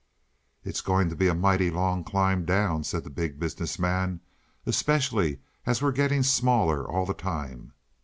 "It's going to be a mighty long climb down," said the Big Business Man. "Especially as we're getting smaller all the time.